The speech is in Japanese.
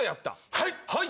はい！